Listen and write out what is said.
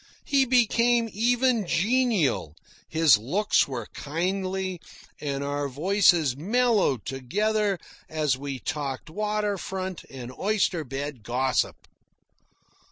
He became even genial, his looks were kindly, and our voices mellowed together as we talked water front and oyster bed gossip.